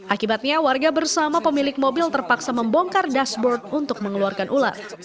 akibatnya warga bersama pemilik mobil terpaksa membongkar dashboard untuk mengeluarkan ular